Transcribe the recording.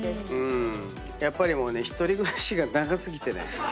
やっぱりもうね１人暮らしが長過ぎてね。